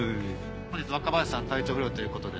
本日若林さん体調不良ということで。